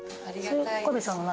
岡部さんは何？